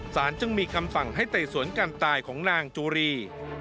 สารจึงมีคำสั่งให้ไต่สวนการตายของนางจูรี